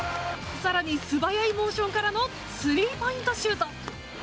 更に素早いモーションからのスリーポイントシュート。